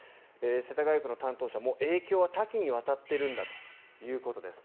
世田谷区の担当者影響は多岐にわたっているんだということです。